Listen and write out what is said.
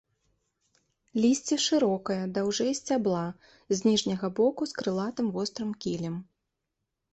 Лісце шырокае, даўжэй сцябла, з ніжняга боку з крылатым вострым кілем.